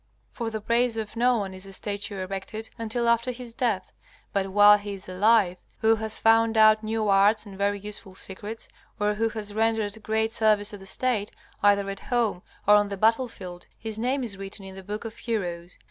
For the praise of no one is a statue erected until after his death; but while he is alive, who has found out new arts and very useful secrets, or who has rendered great service to the State either at home or on the battle field, his name is written in the book of heroes.